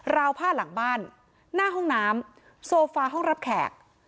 ราวผ้าหลังบ้านหน้าห้องน้ำโซฟาห้องรับแขก